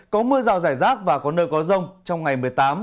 có mưa rào rải rác và có nơi có rông trong ngày một mươi tám một mươi chín